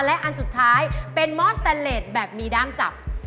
และอันสุดท้ายเป็นมอสแตนเลสแบบมีด้ามจับ